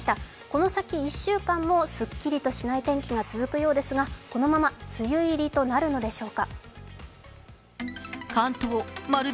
この先１週間もすっきりしない天気が続くようですがこのまま梅雨入りとなるのでしょうか。